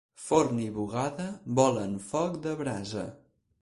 Forn i bugada volen foc de brasa.